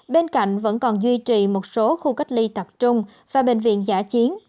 bên cạnh vẫn còn duy trì một số khu cách ly tập trung và bệnh viện giả chiến